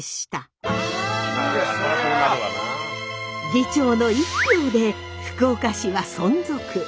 議長の１票で福岡市は存続。